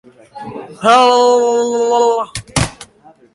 Bati ukabilkada eman diote, eta bestea botila batekin kolpatu dute.